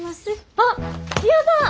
あっやば！